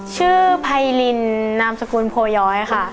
ไพรินนามสกุลโพย้อยค่ะ